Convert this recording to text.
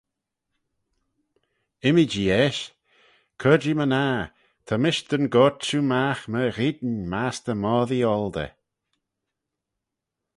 Immee-jee eisht: cur-jee my-ner, ta mish dyn goyrt shiu magh myr eayin mastey moddee-oaldey.